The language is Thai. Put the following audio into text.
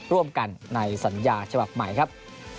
ร่วมกันในสัญญาฉบับใหม่ครับ